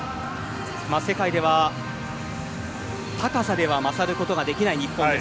世界では高さでは勝ることができない日本です。